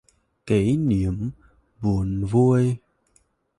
Kỉ niệm buồn vui